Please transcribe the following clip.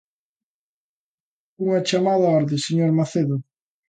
Unha chamada á orde, señor Macedo.